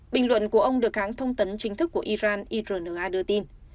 bình luận của ông được hãng thông tấn chính thức của iran irna đưa tin